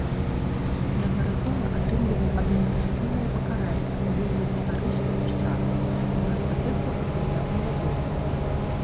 Неаднаразова атрымліваў адміністрацыйныя пакаранні ў выглядзе арыштаў і штрафаў, у знак пратэсту аб'яўляў галадоўку.